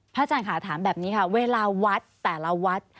พระเจ้าค่ะถามแบบนี้ครับเวลาวัดแต่ละวัด